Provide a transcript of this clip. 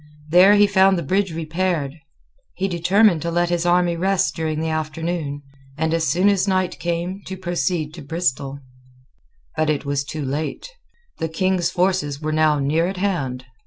There he found the bridge repaired. He determined to let his army rest during the afternoon, and, as soon as night came, to proceed to Bristol. But it was too late. The King's forces were now near at hand.